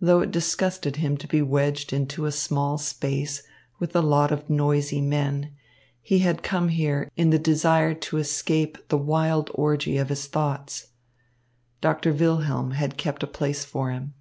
Though it disgusted him to be wedged into a small space with a lot of noisy men, he had come here in the desire to escape the wild orgy of his thoughts. Doctor Wilhelm had kept a place for him.